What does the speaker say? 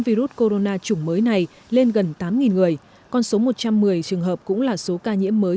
virus corona chủng mới này lên gần tám người con số một trăm một mươi trường hợp cũng là số ca nhiễm mới